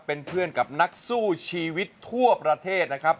เป็นเพื่อนกับนักสู้ชีวิตทั่วประเทศนะครับ